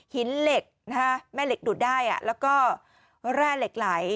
หินเหล็กนะฮะแม่เหล็กดูดได้แล้วก็แร่เหล็กไหล